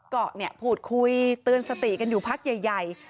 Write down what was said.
ก็พูดคุยเตือนสติกันอยู่พักใหญ่